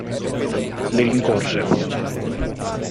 Li rincorse.